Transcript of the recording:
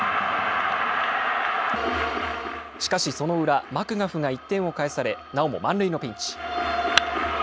しかし、その裏マクガフが１点を返されなおも満塁のピンチ。